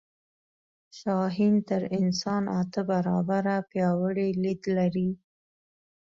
شاهین تر انسان اته برابره پیاوړی لید لري